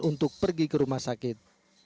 untuk pergi ke rumah sakit